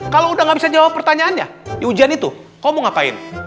kalau udah gak bisa jawab pertanyaannya di ujian itu kamu mau ngapain